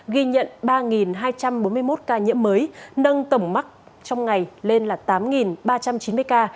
ghi nhận ba hai trăm bốn mươi một ca nhiễm mới nâng tổng mắc trong ngày lên là tám ba trăm chín mươi ca